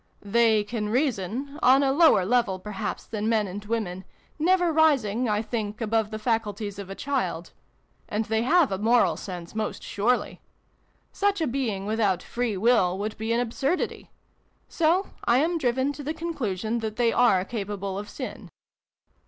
" They can reason on a lower level, per haps, than men and women never rising, I think, above the faculties of a child ; and they have a moral sense, most surely. Such a being, without free will, would be an absurdity. So I am driven to the conclusion that they are capable of sin."